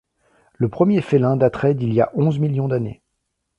Le premier félin daterait d'il y a onze millions d'années.